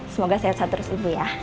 semoga sehat sehat terus ibu ya